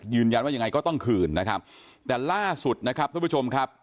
ยังไงก็ต้องคืนนะครับแต่ล่าสุดนะครับทุกผู้ชมครับ